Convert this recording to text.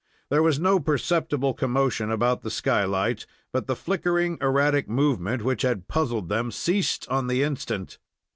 There was no perceptible commotion about the skylight, but the flickering, erratic movement which had puzzled them ceased on the instant.